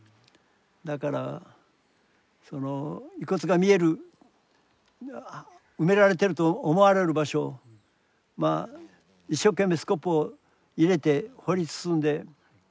だからその遺骨が見える埋められてると思われる場所を一生懸命スコップを入れて掘り進んで。